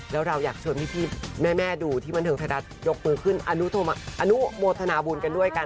แล้วเราอยากโชงพี่แม่ดูที่บรรเทิงไทยรัฐลงมือขึ้นอนุโทมะอนุโหมดธนาบุญกันด้วยค่ะ